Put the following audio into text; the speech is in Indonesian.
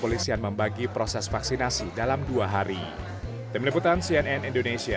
lagi proses vaksinasi dalam dua hari